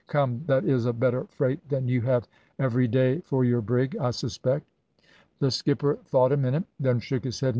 Come, that is a better freight than you have every day for your brig, I suspect?' "The skipper thought a minute, then shook his head.